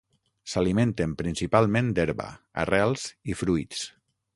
S'alimenten principalment d'herba, arrels i fruits.